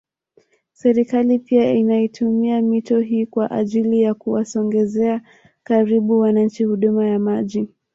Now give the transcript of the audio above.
Serikali pia inaitumia mito hii kwa ajili ya kuwasogezeaa karibu wananchi huduma ya maji